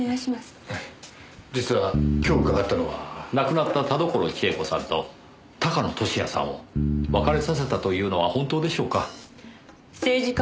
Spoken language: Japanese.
亡くなった田所千枝子さんと高野俊哉さんを別れさせたというのは本当でしょうか？